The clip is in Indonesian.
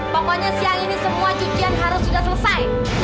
pokoknya siang ini semua cucian harus sudah selesai